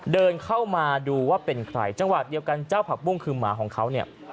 เดินเข้ามาดูว่าเป็นใครจังหวะเดียวกันเจ้าผักบุ้งคือหมาของเขาเนี่ย